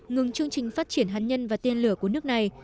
ngừng chương trình phát triển hạt nhân và tên lửa của nước này